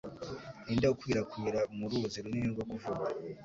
Ninde ukwirakwira mu ruzi runini rwo kuvuga